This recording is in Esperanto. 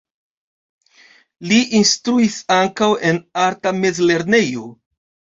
Li instruis ankaŭ en arta mezlernejo.